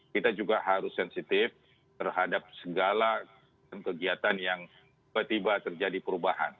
kita juga harus sensitif terhadap segala kegiatan yang tiba tiba terjadi perubahan